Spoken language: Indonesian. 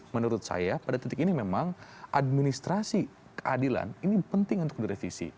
menurut saya pada titik ini memang administrasi keadilan ini penting untuk direvisi